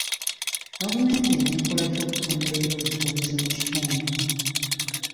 Gavumenti enaakola ki okutumbula ebyobusuubuzi mu kitundu?